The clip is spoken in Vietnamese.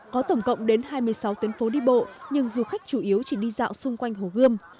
có tổng cộng đến hai mươi sáu tuyến phố đi bộ nhưng du khách chủ yếu chỉ đi dạo xung quanh hồ gươm